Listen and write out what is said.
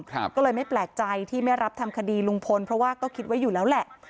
ก็เลยไม่แปลกใจที่ไม่รับทำคดีลุงพลเพราะว่าก็คิดไว้อยู่แล้วแหละ